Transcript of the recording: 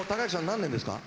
何年ですか？